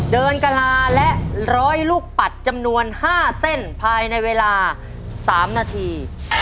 กะลาและ๑๐๐ลูกปัดจำนวน๕เส้นภายในเวลา๓นาที